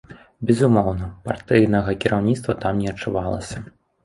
Безумоўна, партыйнага кіраўніцтва там не адчувалася.